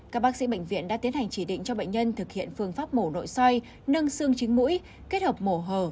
các bác sĩ bệnh viện đã tiến hành chỉ định cho bệnh nhân thực hiện phương pháp mổ nội soi nâng xương chính mũi kết hợp mổ hờ